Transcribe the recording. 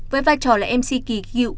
với vai trò là mc kỳ dịu